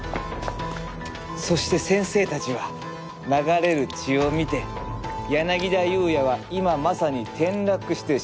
そして先生たちは流れる血を見て柳田裕也は今まさに転落して死んだものと思い込んだ。